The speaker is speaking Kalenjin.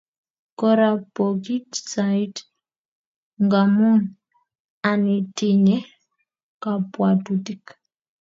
Kora pokit sait ngamun anitinye kapwatutik